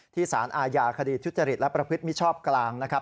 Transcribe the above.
สารอาญาคดีทุจริตและประพฤติมิชชอบกลางนะครับ